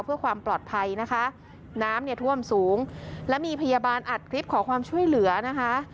เพื่อความปลอดภัยนะคะน้ำเนี่ยท่วมสูงและมีพยาบาลอัดคลิปขอความช่วยเหลือนะคะ